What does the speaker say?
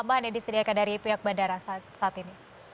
atau tambahan yang disediakan dari pihak bandara saat ini